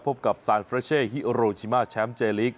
พบกับซานเฟรเช่ฮิโรชิมาแชมป์เจลิก